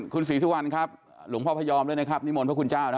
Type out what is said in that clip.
คุณศรีสุวรรณครับหลวงพ่อพยอมด้วยนะครับนิมนต์พระคุณเจ้านะฮะ